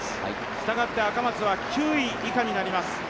したがって赤松は９位以下になります。